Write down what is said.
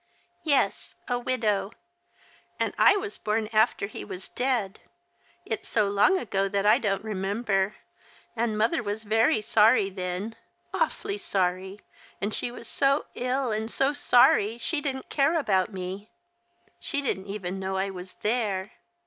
"Yes, a widow. And I was born after he was dead. It's so long ago that I don't remember, and mother was very sorry then, awfully sorry, and she was so ill and so sorry that she didn't care about me. She didn't even know I was there.